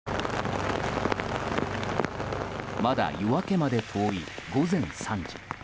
まだ夜明けまで遠い午前３時。